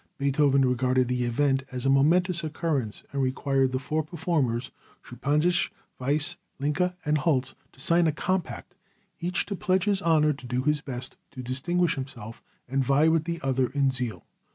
Beethoven regarded the event as a momentous occurrence and required the four performers, Schuppanzich, Weiss, Linke and Holz, to sign a compact, each to "pledge his honor to do his best to distinguish himself and vie with the other in zeal."